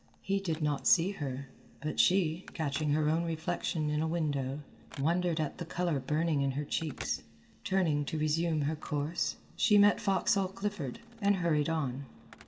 He did not see her, but she, catching her own reflection in a window, wondered at the colour burning in her cheeks. Turning to resume her course, she met Foxhall Clifford, and hurried on.